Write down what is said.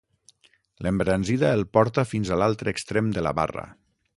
L'embranzida el porta fins a l'altre extrem de la barra.